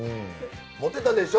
モテたでしょ？